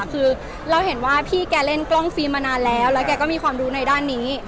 คือเราเห็นว่าพี่แกเล่นกล้องฟิล์มมานานแล้วแล้วแกก็มีความรู้ในด้านนี้